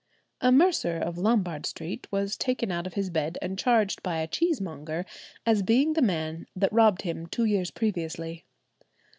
A mercer of Lombard Street was taken out of his bed and charged by a cheesemonger as being the man that robbed him two years previously.